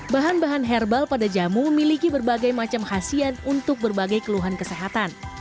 bahan bahan herbal pada jamu memiliki berbagai macam khasiat untuk berbagai keluhan kesehatan